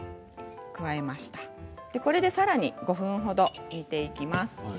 これでさらに５分ほど煮ていきます。